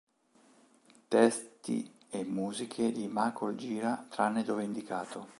Testi e musiche di Michael Gira tranne dove indicato.